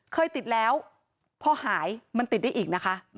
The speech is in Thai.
เคยติดแล้วพอหายมันติดได้อีกนะคะ